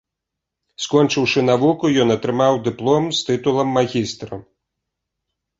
Скончыўшы навуку, ён атрымаў дыплом з тытулам магістра.